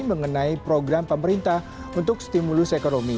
mengenai program pemerintah untuk stimulus ekonomi